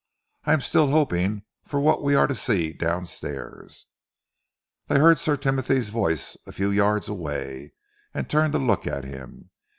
I am still hoping for what we are to see downstairs." They heard Sir Timothy's voice a few yards away, and turned to look at him.